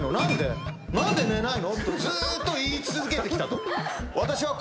何で寝ないの？』とずーっと言い続けてきた」と。